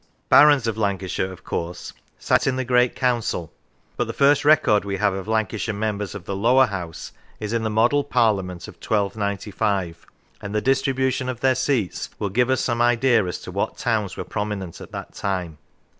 Barons of Lancashire, of course, sat in the Great Council, but the first record we have of Lancashire members of the Lower House is in the Model Parliament of 1295, and the distribution of their seats will give us some idea as to what towns were prominent at that time.